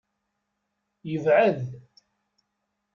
Yebɛed.